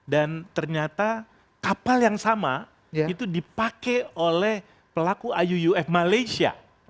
dan ternyata kapal yang sama itu dipakai oleh pelaku iuuf malaysia